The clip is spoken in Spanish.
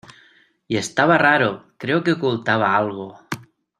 y estaba raro. creo que ocultaba algo .